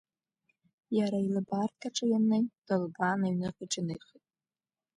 Иара илыбаарҭаҿы ианнеи, дыллыбаан, аҩныҟа иҿынеихеит.